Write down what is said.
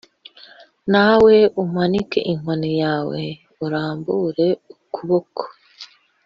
Nawe umanike inkoni yawe urambure ukuboko